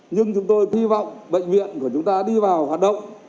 nhưng chúng tôi hy vọng bệnh viện của chúng ta đi vào hoạt động